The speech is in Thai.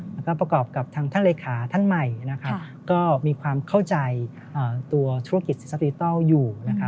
แล้วก็ประกอบกับทางท่านเลขาท่านใหม่ก็มีความเข้าใจตัวธุรกิจสีสติทัลอยู่